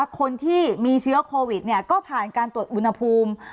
คนที่มีเชื้อโควิดก็ผ่านการตรวจอุณหภูมิ